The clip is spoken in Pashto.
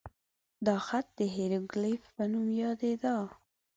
دا خط د هیروګلیف په نوم یادېده.